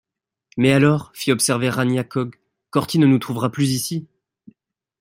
Mais alors, fit observer Ranyah Cogh, Corty ne nous trouvera plus ici...